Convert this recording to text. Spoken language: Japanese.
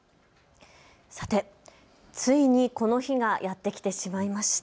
ついにこの日がやってきてしまいました。